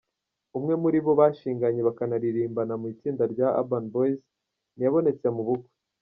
Umwe mu bo bashinganye bakanaririmbana mu itsinda rya Urban Boyz ntiyabonetse mu bukwe.